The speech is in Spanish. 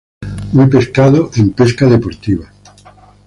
Muy pescado en pesca deportiva.